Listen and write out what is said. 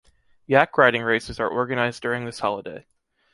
Yak riding races are organized during this holiday.